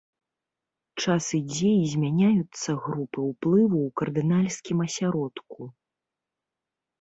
Час ідзе і змяняюцца групы ўплыву ў кардынальскім асяродку.